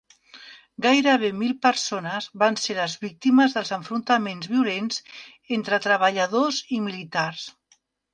Gairebé mil persones van ser les víctimes dels enfrontaments violents entre treballadors i militars.